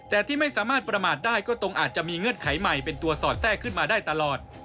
แต่ที่ไม่สามารถประมาทได้ก็ตรงอาจจะมีเงื่อนไขใหม่เป็นตัวสอดแทรกขึ้นมาได้ตลอด